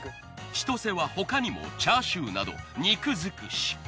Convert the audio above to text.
ちとせは他にもチャーシューなど肉づくし。